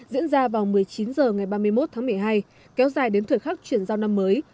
diễn ra vào một mươi chín h ngày ba mươi một tháng một mươi hai kéo dài đến thời khắc chuyển giao năm mới